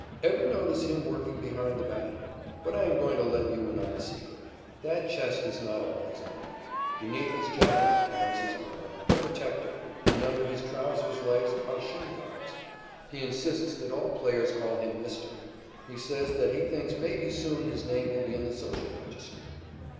Ever notice him working behind the bat? But I am going to let you in on a secret. That chest is not all his own. Beneath his jacket he carries his armor, a protector, and under his trousers' legs are shin guards. He insists that all players call him "Mr." He says that he thinks maybe soon his name will be in the social register.